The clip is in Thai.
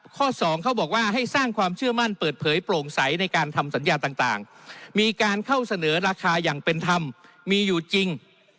ข้อสองเขาบอกว่าให้สร้างความเชื่อมั่นเปิดเผยโปร่งใสในการทำสัญญาต่างมีการเข้าเสนอราคาอย่างเป็นธรรมมีอยู่จริง